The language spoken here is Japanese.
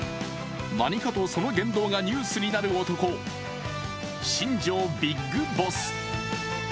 何かとその言動がニュースになる男、新庄ビッグボス。